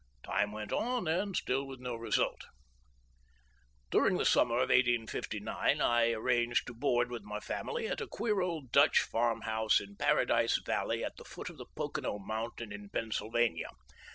Time went on, and still with no result, During the summer of 1859 I arranged to board with my family at a queer old Dutch farmhouse in Paradise Valley, at the foot of Pocono Mountain, in Pennsylvania.